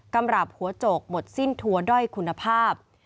ำรับหัวโจกหมดสิ้นทัวร์ด้อยคุณภาพ